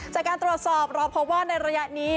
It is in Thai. จากการตรวจสอบเราพบว่าในระยะนี้